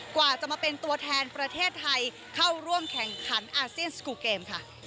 กว่าจะมาเป็นตัวแทนประเทศไทยเข้าร่วมแข่งขันอาเซียนสกูลเกมค่ะ